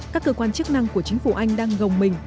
các cơ quan chức năng của chính phủ anh đang gồng mình